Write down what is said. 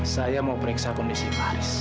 saya mau periksa kondisi pak haris